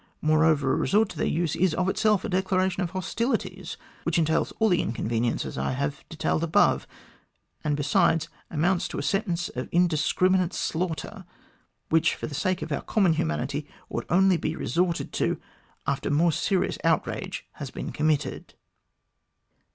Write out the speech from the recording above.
Moreover, a resort to their use is of itself a declaration of hostilities which entails all the inconveniences I have detailed above, and, besides, amounts to a sentence of indiscriminate slaughter, which, for the sake of our common humanity, ought only to be resorted to after more serious outrage has been committed."